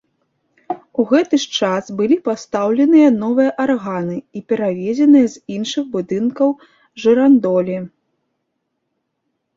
У гэты ж час былі пастаўленыя новыя арганы і перавезеныя з іншых будынкаў жырандолі.